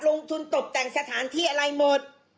ลงทุนตกแต่งสถานที่อะไรหมด